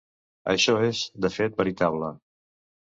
Això és, de fet, veritable.